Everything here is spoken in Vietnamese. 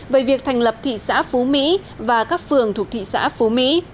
về việc thành lập thị xã phú mỹ và các phường thuộc thị xã phú mỹ